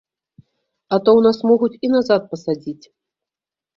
А то ў нас могуць і назад пасадзіць.